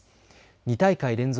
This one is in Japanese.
２大会連続